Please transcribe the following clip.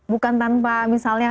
bukan tanpa misalnya